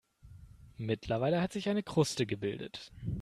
Mittlerweile hat sich eine Kruste gebildet.